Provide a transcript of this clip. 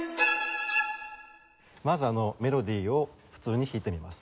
まずメロディを普通に弾いてみます。